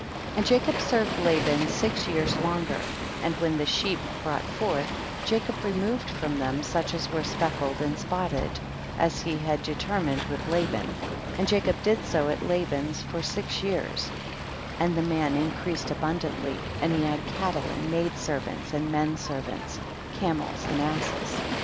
31. And Jacob served Laban six years longer, and when the sheep brought forth, Jacob removed from them such as were speckled and spotted, as he had determined with Laban, and Jacob did so at Laban's for six years, and the man increased abundantly and he had cattle and maid servants, and men servants, camels and asses.